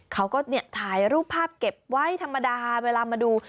เขาก็ถ่ายรูปภาพเก็บไว้ธรรมดาเวลามาดู